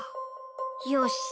よし。